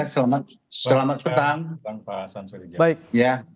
selamat petang pak syamsul rizal